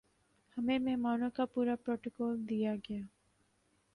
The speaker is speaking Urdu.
ہمیں مہمانوں کا پورا پروٹوکول دیا گیا